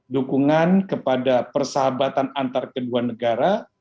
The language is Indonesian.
dukungan kepada persahabatan antar kedua negara